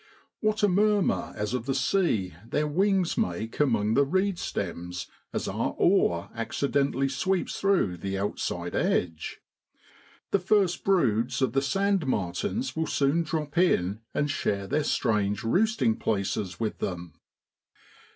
What a murmur as of the sea their wings make among the reed stems as our oar accidentally sweeps through the outside edge ! The first broods of the sand martins will soon drop in and share their strange roosting places with them.